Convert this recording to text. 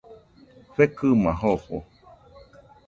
Fekɨma jofo.